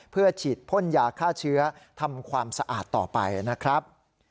เพื่อฉีดพ่นยาฆ่าเชื้อทำความสะอาดต่อไปนะครับ